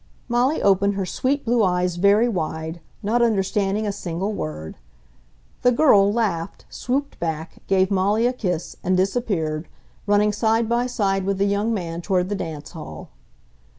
Molly opened her sweet, blue eyes very wide, not understanding a single word. The girl laughed, swooped back, gave Molly a kiss, and disappeared, running side by side with the young man toward the dance hall.